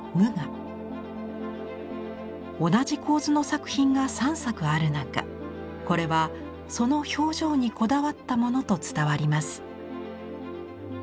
同じ構図の作品が３作ある中これはその表情にこだわったものと伝わります。